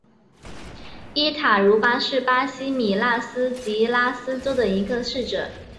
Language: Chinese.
伊塔茹巴是巴西米纳斯吉拉斯州的一个市镇。